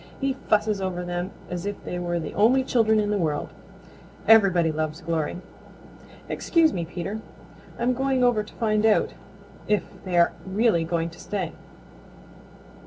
He fusses over them as if they were the only children in the world. Everybody loves Glory. Excuse me, Peter, I'm going over to find out if they are really going to stay."